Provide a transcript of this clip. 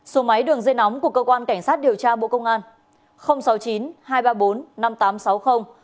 số máy đường dây nóng của cơ quan cảnh sát điều tra bộ công an sáu mươi chín hai trăm ba mươi bốn năm nghìn tám trăm sáu mươi